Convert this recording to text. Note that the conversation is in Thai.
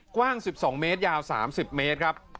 กว้าง๑๒เมตรยาว๓๐เมตรครับ